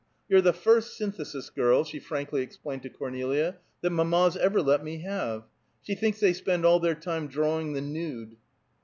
You're the first Synthesis girl," she frankly explained to Cornelia, "that mamma's ever let me have. She thinks they spend all their time drawing the nude."